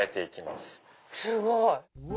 すごい！